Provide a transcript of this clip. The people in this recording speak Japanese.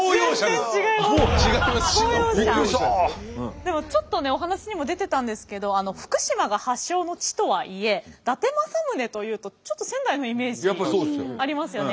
でもちょっとねお話にも出てたんですけど福島が発祥の地とはいえ伊達政宗というとちょっと仙台のイメージありますよね。